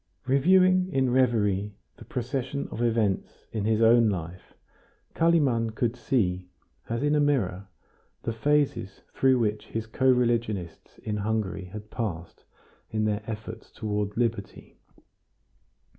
Reviewing in reverie the procession of events in his own life, Kalimann could see, as in a mirror, the phases through which his co religionists in Hungary had passed in their efforts toward liberty.